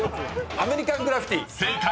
「アメリカン・グラフィティ」でした］